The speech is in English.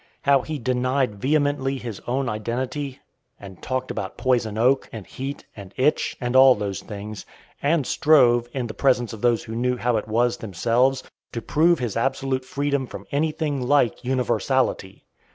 How he denied vehemently his own identity, and talked about "poison oak," and heat, and itch, and all those things, and strove, in the presence of those who knew how it was themselves, to prove his absolute freedom from anything like "universality!"